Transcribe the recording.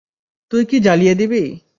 তুই কি জ্বালিয়ে দিবি?